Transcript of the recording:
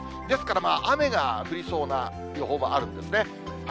ですから、雨が降りそうな予報もあるんですね。